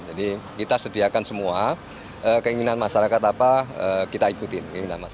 jadi kita sediakan semua keinginan masyarakat apa kita ikutin